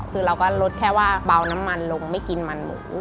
คือเราก็ลดแค่ว่าเบาน้ำมันลงไม่กินมันหมู